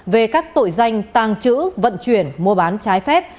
về các tội danh tàng trữ vận chuyển mua bán trái phép